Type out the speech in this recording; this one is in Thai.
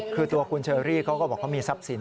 คือตัวคุณเชอรี่เขาก็บอกเขามีทรัพย์สิน